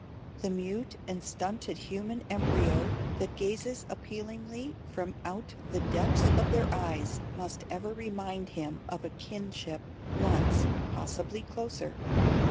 The mute and stunted human embryo that gazes appealingly from out the depths of their eyes must ever remind him of a kinship once (possibly) closer.